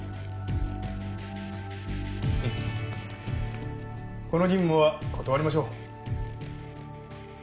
うんこの任務は断りましょう。